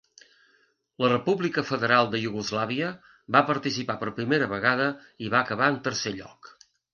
La República Federal de Iugoslàvia va participar per primera vegada i va acabar en tercer lloc.